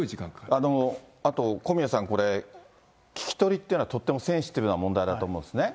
あと小宮さん、これ、聞き取りっていうのはとってもセンシティブな問題だと思うんですね。